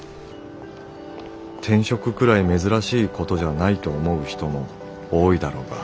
「転職くらい珍しいことじゃないと思う人も多いだろうが」。